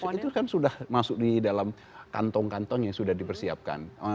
apakah subsidi yang sudah masuk di dalam kantong kantong yang sudah dipersiapkan